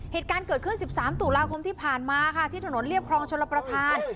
เหตุการณ์เกิดขึ้น๑๓ตุลาคมที่ผ่านมาค่ะที่ถนนเรียบครองชลประธาน